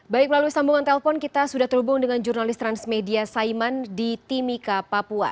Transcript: baik melalui sambungan telepon kita sudah terhubung dengan jurnalis transmedia saiman di timika papua